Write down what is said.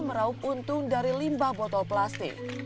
meraup untung dari limbah botol plastik